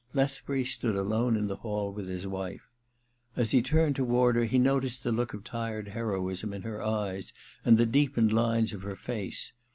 Lethbury stood alone in the hall with his wife. As he turned toward her, he noticed the look of tired heroism in her eyes, the deepened lines of her face.